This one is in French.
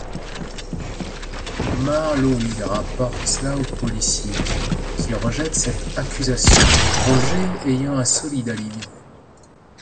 Marlowe rapporte cela aux policiers, qui rejettent cette accusation, Roger ayant un solide alibi.